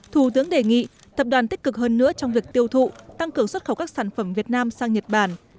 thủ tướng đề nghị tập đoàn tích cực hơn nữa trong việc tiêu thụ tăng cường xuất khẩu các sản phẩm việt nam sang nhật bản